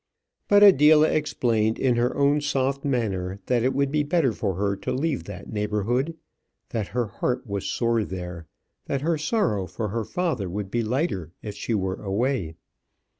But Adela explained in her own soft manner that it would be better for her to leave that neighbourhood; that her heart was sore there; that her sorrow for her father would be lighter if she were away.